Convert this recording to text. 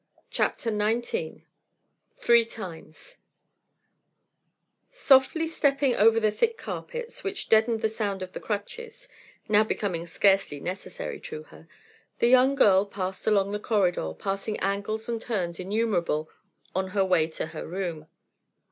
CHAPTER XIX "THREE TIMES" Softly stepping over the thick carpets, which deadened the sound of the crutches now becoming scarcely necessary to her the young girl passed along the corridor, passing angles and turns innumerable on her way to her room.